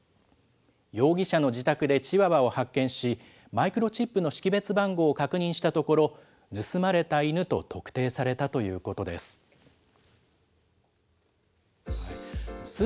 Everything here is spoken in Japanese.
容疑者の自宅でチワワを発見し、マイクロチップの識別番号を確認したところ、盗まれた犬と特定されたということです。